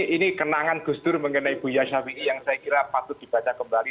ini kenangan gus dur mengenai buya shafi'i yang saya kira patut dibaca kembali